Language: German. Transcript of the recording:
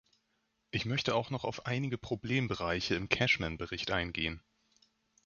Ich möchte auch noch auf einige Problembereiche im Cashman-Bericht eingehen.